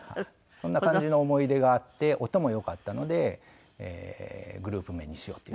そんな感じの思い出があって音も良かったのでグループ名にしようっていう。